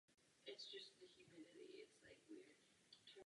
Později se zabýval především moderními a vojenskými dějinami.